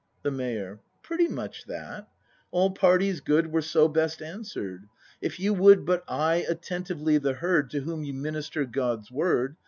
The Mayor. Pretty much that. All parties' good Were so best answered. If you would But eye attentively the herd To whom you minister God's word.